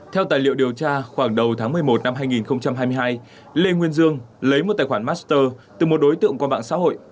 theo tài liệu điều tra khoảng đầu tháng một mươi một năm hai nghìn hai mươi hai lê nguyên dương lấy một tài khoản master từ một đối tượng qua mạng xã hội